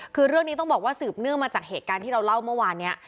คือเรื่องนี้ต้องบอกว่าสืบเนื่องมาจากเหตุการณ์ที่เราเล่าเมื่อวานนี้